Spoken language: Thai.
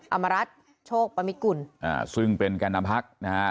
อมรัฐโชคปมิกุลอ่าซึ่งเป็นแก่นำพักนะฮะ